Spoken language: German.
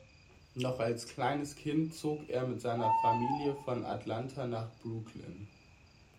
Noch als kleines Kind zog er mit seiner Familie von Atlanta nach Brooklyn.